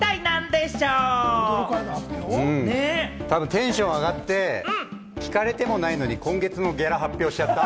テンション上がって、聞かれてもないのに、今月のギャラを発表しちゃった？